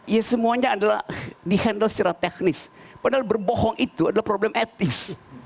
ya semuanya adalah di handle secara teknis padahal berbohong itu adalah problem etis